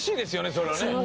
それはね。